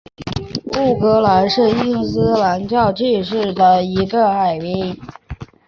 布赖特灵西是英国英格兰埃塞克斯郡的一个海滨城镇。